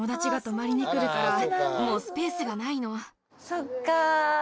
そっか。